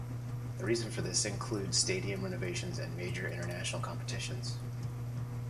The reasons for this include stadium renovations and major international competitions.